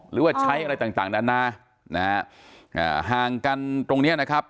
หรือว่าใช้อะไรต่างนานานะฮะอ่าห่างกันตรงเนี้ยนะครับ